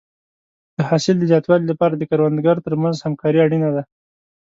د حاصل د زیاتوالي لپاره د کروندګرو ترمنځ همکاري اړینه ده.